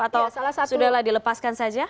atau sudah lah dilepaskan saja